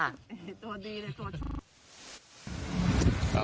อร่อยไหม